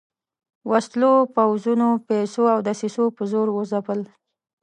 وسلو، پوځونو، پیسو او دسیسو په زور وځپل.